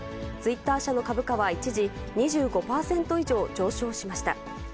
ツイッター社の株価は一時、２５％以上上昇しました。